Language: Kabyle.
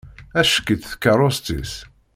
Acekk-itt tkerrust-is.